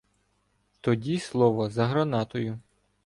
Тоді слово за гранатою.